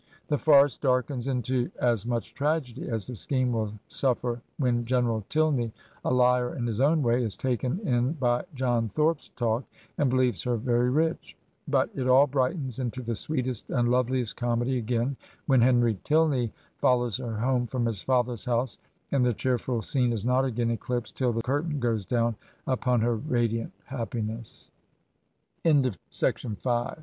The farce darkens into as much tragedy as the scheme will suffer when General Tilney, a liar in his own way, is taken in by John Thorp's talk, and believes her very rich; but it all brightens into the sweetest and lovehest comedy again, when Henry Tilney follows her home from his father's house, and the cheerful scene is not again eclipsed till the curtain go